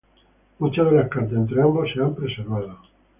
Muchas de las cartas entre ambos se han preservado.